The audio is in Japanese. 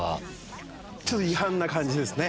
ちょっと違反な感じですね。